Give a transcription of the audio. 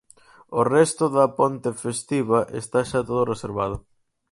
O resto da ponte festiva está xa todo reservado.